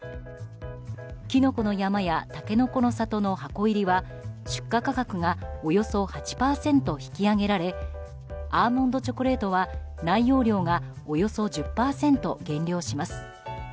きのこの山や、たけのこの里の箱入りは出荷価格がおよそ８％引き上げられアーモンドチョコレートは内容量がおよそ１０％減量します。